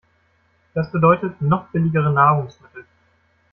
Das bedeutet, noch billigere Nahrungsmittel.